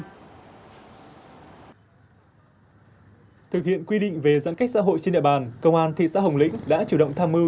thực hiện quy định về giãn cách xã hội trên địa bàn công an thị xã hồng lĩnh đã chủ động tham mưu